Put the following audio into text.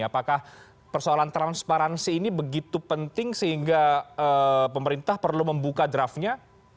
apakah persoalan transparansi ini begitu penting sehingga pemerintah perlu membuka draftnya